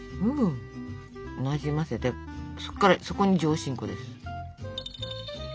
なじませてそこに上新粉です。